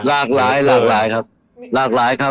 หลากหลายครับหลากหลายครับ